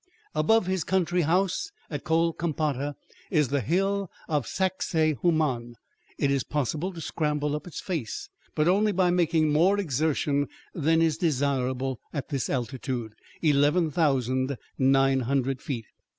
Above his country house at Colcampata is the hill of Sacsahuaman. It is possible to scramble up its face, but only by making more exertion than is desirable at this altitude, 11,900 feet.